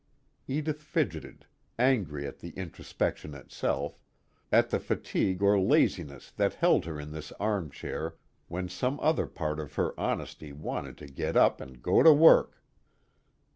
Edith fidgeted, angry at the introspection itself, at the fatigue or laziness that held her in this armchair when some other part of her honestly wanted to get up and go to work.